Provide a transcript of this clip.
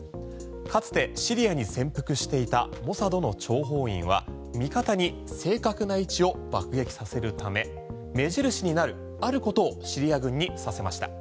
かつてシリアに潜伏していたモサドの諜報員は味方に正確な位置を空爆させるため目印になるあることをシリア軍にさせました。